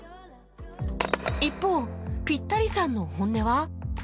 一方ピッタリさんの本音は？